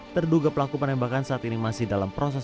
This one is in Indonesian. terduga pelaku penembakan saat ini masih dalam proses